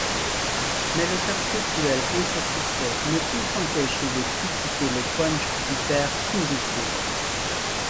Mais le perpétuel insatisfait ne peut s'empêcher de critiquer le punch du père courroucé...